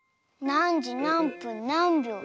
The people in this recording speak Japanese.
なんじなんぷんなんびょう？